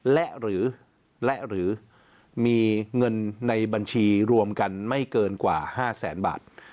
และหรือมีเงินในบัญชีรวมกันไม่เกินกว่า๕แสนบาท